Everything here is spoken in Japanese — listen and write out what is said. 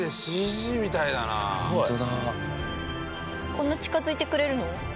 こんな近付いてくれるの？